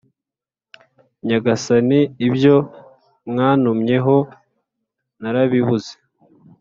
«Nyagasani ibyo mwantumyeho narabibuze,